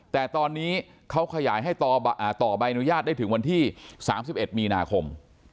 แต่ตอนนี้เขาขยายให้ต่อใบอนุญาตได้ถึงวันที่๓๑มีนาคม